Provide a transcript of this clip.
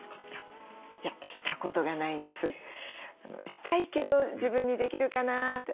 したいけど自分にできるかなって。